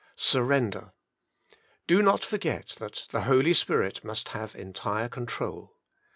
Surrender. Do not forget that the Holy Spirit must have entire control.